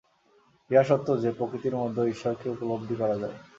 ইহা সত্য যে, প্রকৃতির মধ্যে ঈশ্বরকে উপলব্ধি করা যায়।